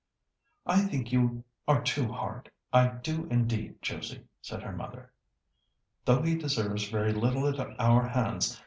"I think you are too hard; I do indeed, Josie!" said her mother, "though he deserves very little at our hands.